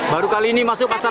baru kali ini masuk pasar